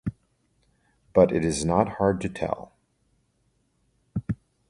But it is not hard to tell